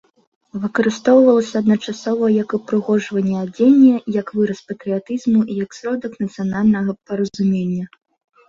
Выкарыстоўвалася адначасова як упрыгожанне адзення, як выраз патрыятызму і як сродак нацыянальнага паразумення.